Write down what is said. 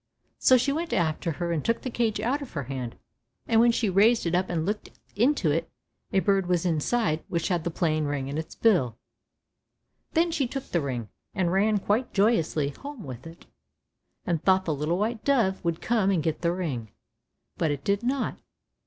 So she went after her and took the cage out of her hand, and when she raised it up and looked into it, a bird was inside which had the plain ring in its bill. Then she took the ring, and ran quite joyously home with it, and thought the little white dove would come and get the ring, but it did not.